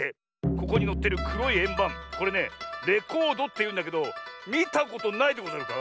ここにのってるくろいえんばんこれねレコードっていうんだけどみたことないでござるか？